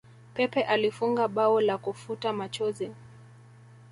pepe alifunga bao la kufuta machozi